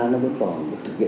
nó vẫn còn được thực hiện